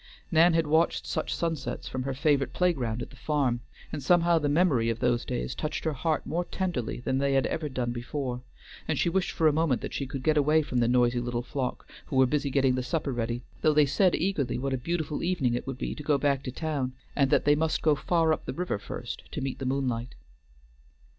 Nan had watched such sunsets from her favorite playground at the farm, and somehow the memory of those days touched her heart more tenderly than they had ever done before, and she wished for a moment that she could get away from the noisy little flock who were busy getting the supper ready, though they said eagerly what a beautiful evening it would be to go back to town, and that they must go far up the river first to meet the moonlight.